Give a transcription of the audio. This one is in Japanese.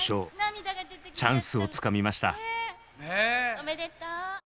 チャンスをつかみました。